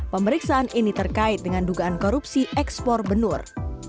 pemeriksaan ini terkait dengan dugaan korupsi ekspor benur